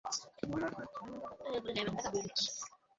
পিছনে ঘুরতেছিস কেন?